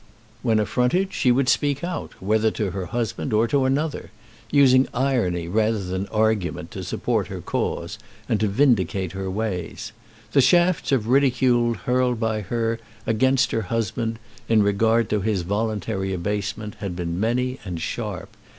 When affronted she would speak out, whether to her husband, or to another, using irony rather than argument to support her cause and to vindicate her ways. The shafts of ridicule hurled by her against her husband in regard to his voluntary abasement had been many and sharp.